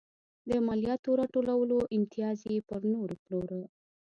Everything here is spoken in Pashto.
د مالیاتو راټولولو امتیاز یې پر نورو پلوره.